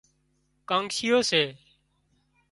ڪانڳشيئو سي